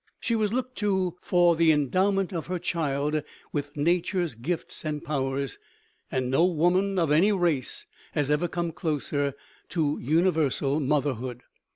She was looked to for the endowment of her child with nature's gifts and powers, and no woman of any race has ever come closer to universal mother hood.